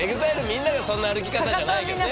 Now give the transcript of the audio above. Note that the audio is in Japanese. みんながそんな歩き方じゃないよねえ？